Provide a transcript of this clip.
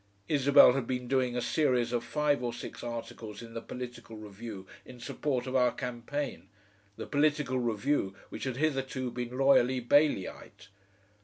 Isabel had been doing a series of five or six articles in the POLITICAL REVIEW in support of our campaign, the POLITICAL REVIEW which had hitherto been loyally Baileyite.